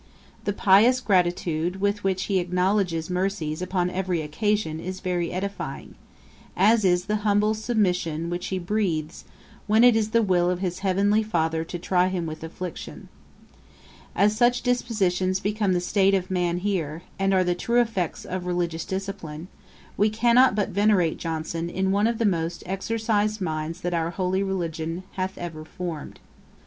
The pious gratitude with which he acknowledges mercies upon every occasion is very edifying; as is the humble submission which he breathes, when it is the will of his heavenly Father to try him with afflictions. As such dispositions become the state of man here, and are the true effects of religious discipline, we cannot but venerate in Johnson one of the most exercised minds that our holy religion hath ever formed.